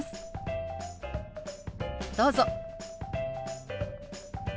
どうぞ。